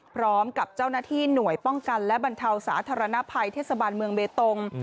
พร้อมกับเจ้าหน้าที่หน่วยป้องกันและบรรเทาสาธารณภัยเทศบาลเมืองเบตง